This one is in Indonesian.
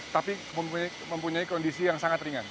tapi mempunyai kondisi yang sangat ringan